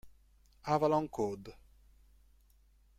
Avalon Code